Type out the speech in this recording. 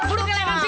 duduk lewat sini